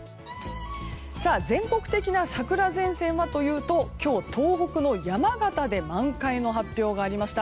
全国的な桜前線はというと今日、東北の山形で満開の発表がありました。